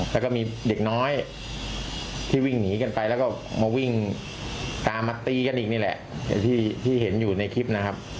แล้วก็มีเด็กน้อยที่วิ่งหนีกันไปแล้วก็มาวิ่งตามมาตีกันอีกนี่แหละอย่างที่เห็นอยู่ในคลิปนะครับ